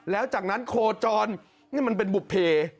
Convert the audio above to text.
แล้วจากนั้นโคจรนี่มันเป็นบุภเพ